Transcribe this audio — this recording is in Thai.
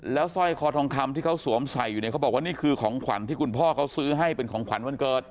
แล้วสร้อยคอทองคำที่เขาสวมใส่อยู่เนี่ยเขาบอกว่านี่คือของขวัญที่คุณพ่อเขาซื้อให้เป็นของขวัญวันเกิด